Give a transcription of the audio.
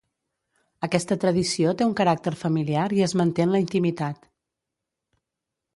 Aquesta tradició té un caràcter familiar i es manté en la intimitat.